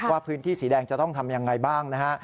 ว่าพื้นที่สีแดงจะต้องทำยังไงบ้างนะฮะ